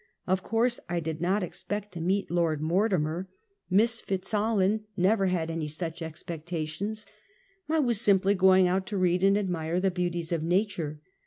Of course I did not ex pect to meet Lord Mortimer! Miss Fitzallen never had any such expectations. I was simply going out to read and admire the beauties of nature.